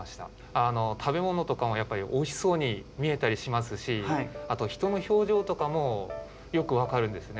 食べ物とかもやっぱりおいしそうに見えたりしますしあと人の表情とかもよく分かるんですね。